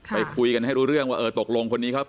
ไปคุยกันให้รู้เรื่องว่าเออตกลงคนนี้เขา